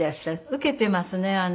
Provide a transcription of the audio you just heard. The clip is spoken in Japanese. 受けてますね。